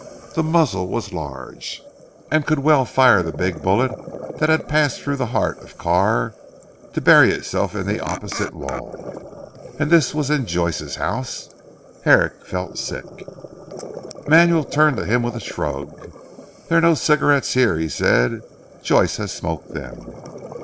The muzzle was large, and could well fire the big bullet that had passed through the heart of Carr to bury itself in the opposite wall. And this was in Joyce's house. Herrick felt sick. Manuel turned to him with a shrug. "There are no cigarettes here," he said, "Joyce has smoked them.